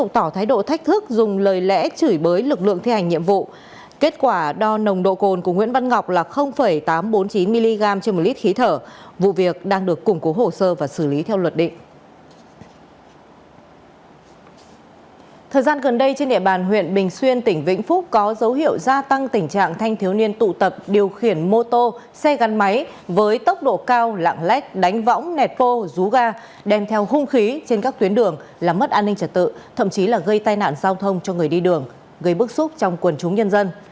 thời gian gần đây trên địa bàn huyện bình xuyên tỉnh vĩnh phúc có dấu hiệu gia tăng tình trạng thanh thiếu niên tụ tập điều khiển mô tô xe gắn máy với tốc độ cao lạng lách đánh võng nẹt vô rú ga đem theo hung khí trên các tuyến đường làm mất an ninh trật tự thậm chí là gây tai nạn giao thông cho người đi đường gây bức xúc trong quần chúng nhân dân